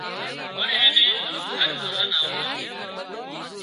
پڻ اين نين هر ڀزن آوتان